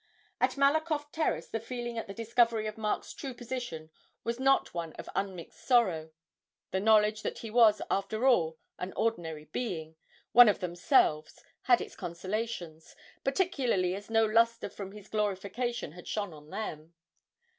At Malakoff Terrace the feeling at the discovery of Mark's true position was not one of unmixed sorrow the knowledge that he was, after all, an ordinary being, one of themselves, had its consolations, particularly as no lustre from his glorification had shone on them.